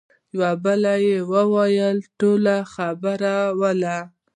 يوه بل وويل: ټول خبر ول.